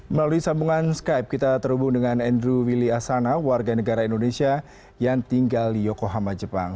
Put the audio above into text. melalui sambungan skype kita terhubung dengan andrew willy asana warga negara indonesia yang tinggal di yokohama jepang